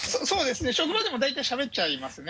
職場でも大体しゃべっちゃいますね。